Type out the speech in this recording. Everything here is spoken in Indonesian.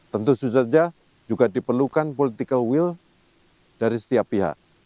tentu saja juga diperlukan political will dari setiap pihak